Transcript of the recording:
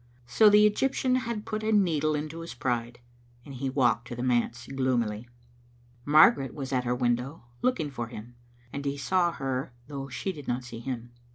So the Egyptian had put a needle into his pride, and he walked to the manse gloomily. Margaret was at her window, looking for him, and he saw her though she did not see him.